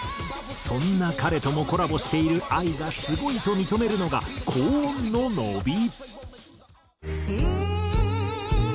そんな彼ともコラボしているＡＩがすごいと認めるのが高音の伸び。